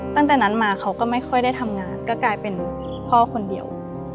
ตั้งแต่นั้นมาเขาก็ไม่ค่อยได้ทำงานก็กลายเป็นพ่อคนเดียว